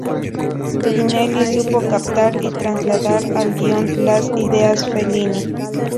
Pinelli supo captar y trasladar al guion las ideas Fellini.